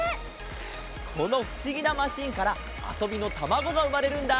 このふしぎなマシーンからあそびのたまごがうまれるんだ。